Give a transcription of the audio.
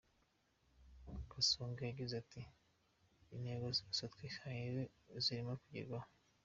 Kasongo yagize ati “Intego zose twihaye zirimo kugerwaho.